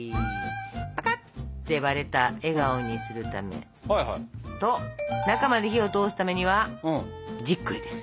ぱかって割れた笑顔にするためと中まで火を通すためにはじっくりです。